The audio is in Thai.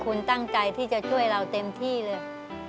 คุณตั้งใจที่จะช่วยเราเต็มที่เลย